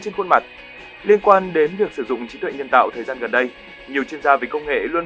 trên khuôn mặt liên quan đến việc sử dụng trí tuệ nhân tạo thời gian gần đây nhiều chuyên gia về công nghệ luôn